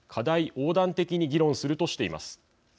横断的に議論するとしています。